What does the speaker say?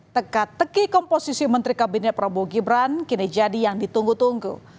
teka teki komposisi menteri kabinet prabowo gibran kini jadi yang ditunggu tunggu